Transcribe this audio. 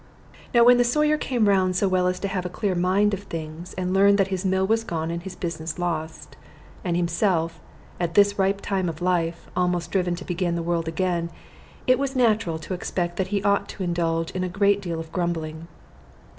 Now when the Sawyer came round so well as to have a clear mind of things, and learn that his mill was gone and his business lost, and himself, at this ripe time of life, almost driven to begin the world again, it was natural to expect that he ought to indulge in a good deal of grumbling.